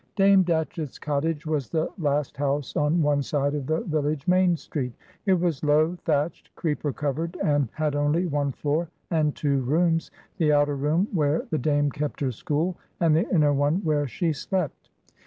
Dame Datchett's cottage was the last house on one side of the village main street. It was low, thatched, creeper covered, and had only one floor, and two rooms,—the outer room where the Dame kept her school, and the inner one where she slept.